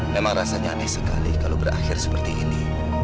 memang rasanya aneh sekali kalau berakhir seperti ini